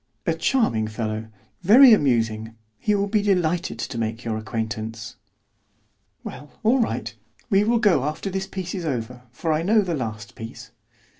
"A charming fellow, very amusing. He will be delighted to make your acquaintance." "Well, all right; we will go after this piece is over, for I know the last piece."